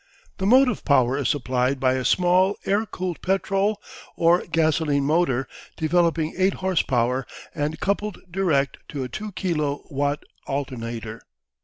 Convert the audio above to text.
The motive power is supplied by a small air cooled petrol or gasoline motor developing eight horse power, and coupled direct to a 2 kilo watt alternator.